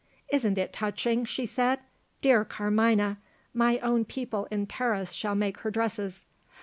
"Isn't it touching?" she said. "Dear Carmina! my own people in Paris shall make her dresses.